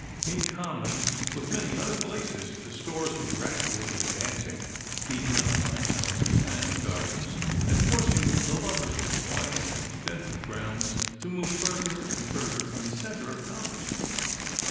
In common with many other places, the stores were gradually advancing, eating up fine houses and gardens, and forcing the lovers of quiet and extensive grounds to move further and further from the centre of commerce.